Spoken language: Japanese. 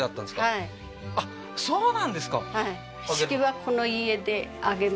はいあっそうなんですか